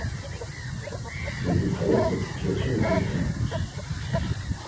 Mais il fallait que cette situation eût une fin.